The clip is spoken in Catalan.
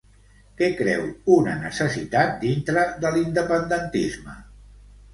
Què creu una necessitat dintre de l'independentisme?